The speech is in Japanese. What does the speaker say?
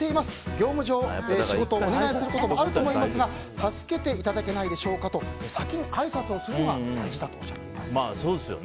業務上仕事をお願いすることもあると思いますが助けていただけないでしょうかと先にあいさつをするのが大事だとおっしゃっています。